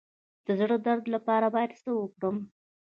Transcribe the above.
د زړه د درد لپاره باید څه وکړم؟